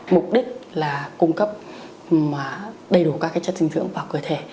mục đích là cung cấp đầy đủ các chất dinh dưỡng vào cơ thể